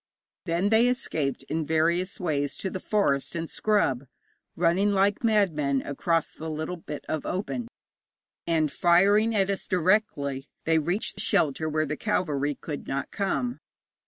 Then they escaped in various ways to the forest and scrub, running like madmen across the little bit of open, and firing at us directly they reached shelter where the cavalry could not come.